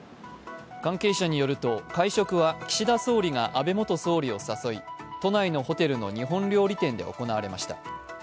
関係者によると会食は岸田総理が安倍元総理を誘い都内のホテルの日本料理店で行われました。